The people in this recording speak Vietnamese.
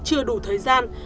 chưa đủ thời gian